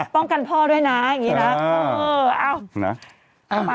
ป้องกันพ่อด้วยนะน่ะ